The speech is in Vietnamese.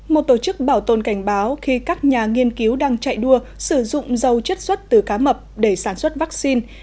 một tổ chức bảo tồn cảnh báo khi các nhà nghiên cứu đang chạy đua sử dụng dâu chất xuất từ cá mập để sản xuất vaccine